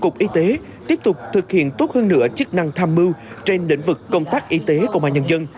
cục y tế tiếp tục thực hiện tốt hơn nữa chức năng tham mưu trên lĩnh vực công tác y tế công an nhân dân